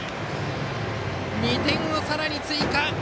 ２点をさらに追加！